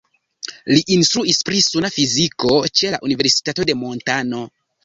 Li instruas pri suna fiziko ĉe la Universitato de Montano.